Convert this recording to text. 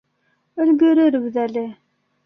- Өлгөрөрбөҙ әле.